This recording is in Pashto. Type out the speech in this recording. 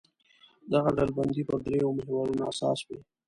دغه ډلبندي پر درېیو محورونو اساس وي.